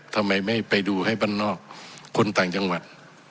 ทำไมไม่ไปดูให้บ้านนอกคนต่างจังหวัด